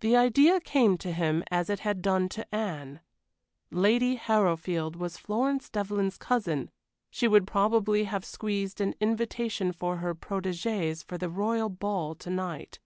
The idea came to him as it had done to Anne. Lady Harrowfield was Florence Devlyn's cousin; she would probably have squeezed an invitation for her protégées for the royal ball to night.